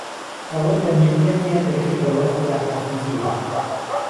ئەوه له میللهتیان دهکردهوه خودا حافیزییه